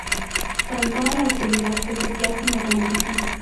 Cantó a la oscuridad que subyace en el romanticismo.